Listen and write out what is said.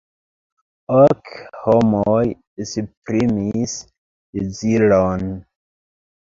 Ok homoj esprimis deziron.